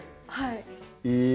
はい。